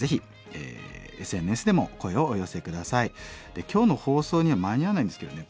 で今日の放送には間に合わないんですけどね